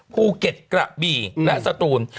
ภูเก็ตกระบี่และสตูน